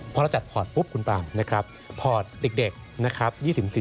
พอเราจัดพอร์ตปุ๊บคุณปามนะครับพอร์ตเด็กนะครับ